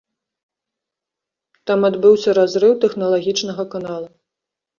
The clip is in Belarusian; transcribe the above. Там адбыўся разрыў тэхналагічнага канала.